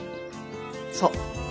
そう。